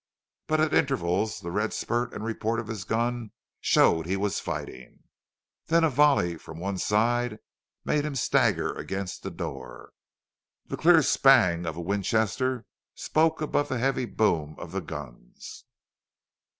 But at intervals the red spurt and report of his gun showed he was fighting. Then a volley from one side made him stagger against the door. The clear spang of a Winchester spoke above the heavy boom of the guns.